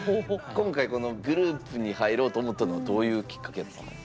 今回このグループに入ろうと思ったのはどういうきっかけだったの？